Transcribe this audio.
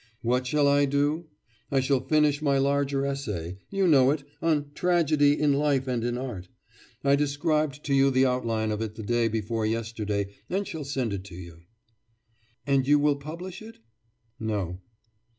'What shall I do? I shall finish my larger essay you know it on "Tragedy in Life and in Art." I described to you the outline of it the day before yesterday, and shall send it to you.' 'And you will publish it?' 'No.